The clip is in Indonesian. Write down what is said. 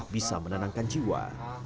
bisa menenangkan jiwa